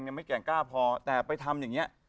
ไม่แก่งกล้าพอแต่ไปทำอย่างนี้